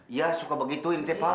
iya suka begitu ini teh pak